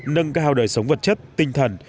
nâng cao đời sống vật chất tinh thần